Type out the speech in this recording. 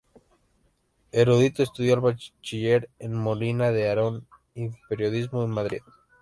Erudito, estudió el bachiller en Molina de Aragón y periodismo en Madrid.